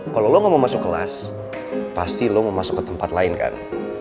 kalau lo gak mau masuk kelas pasti lo mau masuk ke tempat lain kan